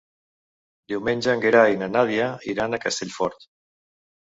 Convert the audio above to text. Diumenge en Gerai i na Nàdia iran a Castellfort.